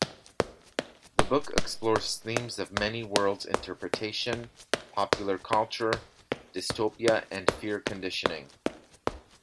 The book explores themes of Many-worlds interpretation, Popular culture, Dystopia and Fear conditioning.